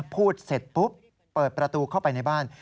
พูดเสร็จปุ๊บเปิดประตูเข้าไปในบ้าน